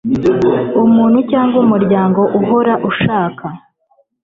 umuntu cyangwa umuryango uhora ashaka